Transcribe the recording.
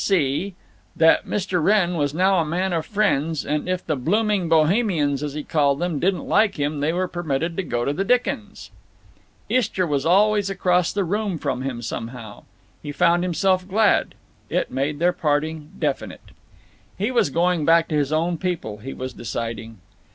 (c) That Mr. Wrenn was now a man of friends, and if the "blooming Bohemians," as he called them, didn't like him they were permitted to go to the dickens. Istra was always across the room from him somehow. He found himself glad. It made their parting definite. He was going back to his own people, he was deciding.